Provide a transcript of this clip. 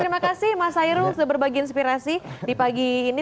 terima kasih mas hairul sudah berbagi inspirasi di pagi ini